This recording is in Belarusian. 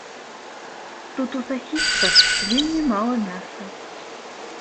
Тут у сасісках вельмі мала мяса.